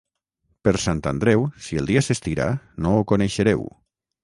Per Sant Andreu, si el dia s'estira, no ho coneixereu.